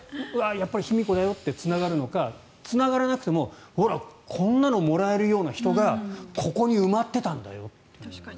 やっぱり卑弥呼だよってつながるのか、つながらなくてもほら、こんなのもらえるような人がここに埋まってたんだよって。